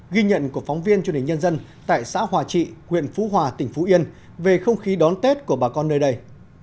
ghi nhận của phóng viên truyền hình nhân dân tại xã hòa trị huyện phú hòa tỉnh phú yên về không khí đón tết của bà con nơi đây